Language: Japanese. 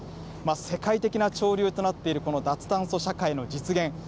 世界的な潮流となっているこの脱炭素社会の実現。